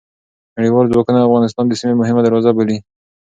نړیوال ځواکونه افغانستان د سیمې مهمه دروازه بولي.